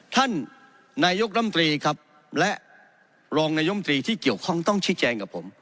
ท่านนายกรรมตรีครับและรองนายมตรีที่เกี่ยวข้องต้องชี้แจงกับผม